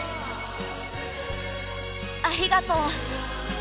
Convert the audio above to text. ありがとう。